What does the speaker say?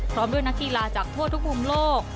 พร้อมด้วยนักกีฬาจากทั่วทุกมุมโลก